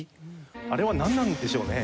あれはなんなんでしょうね？